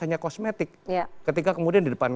hanya kosmetik ketika kemudian di depan